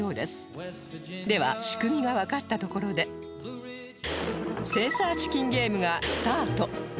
では仕組みがわかったところでセンサーチキンゲームがスタート